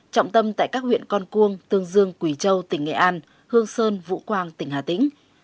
trọng tâm tại các huyện con cuông tương dương quỳ châu tỉnh nghệ an hương sơn vũ quang tỉnh hà tĩnh